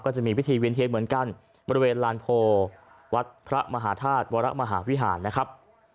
จะมีพิธีเวียนเทียนเหมือนกันบริเวณลานโพวัดพระมหาธาตุวรมหาวิหารนะครับ